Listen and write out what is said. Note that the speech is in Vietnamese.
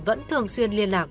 vẫn thường xuyên liên lạc